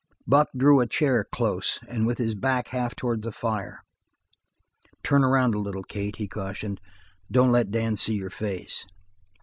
Buck drew a chair close, with his back half towards the fire. "Turn around a little, Kate," he cautioned. "Don't let Dan see your face."